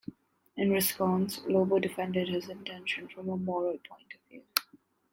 In response, Lobo defended his intention "from a moral point of view".